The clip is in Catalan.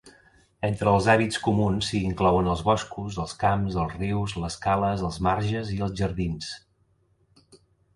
Entre els hàbitats comuns, s'hi inclouen els boscos, els camps, els rius, les cales, els marges i els jardins.